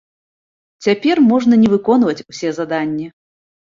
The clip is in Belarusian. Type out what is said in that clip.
Цяпер можна не выконваць усе заданні.